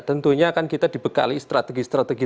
tentunya kan kita dibekali strategi strategi